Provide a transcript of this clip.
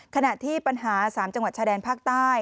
ขณะที่ปัญหา๓จังหวัดชายแดนภาคใต้